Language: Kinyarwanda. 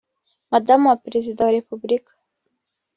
Madamu wa Perezida wa Repubulika